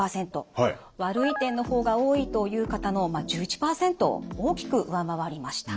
「悪い点の方が多い」という方の１１％を大きく上回りました。